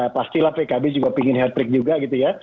pastilah pkb juga pingin hat trick juga gitu ya